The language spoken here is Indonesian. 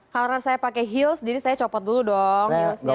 karena saya pakai heels jadi saya copot dulu dong